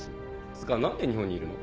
つーか何で日本にいるの？